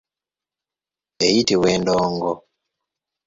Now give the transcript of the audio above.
Eyitibwa endongo.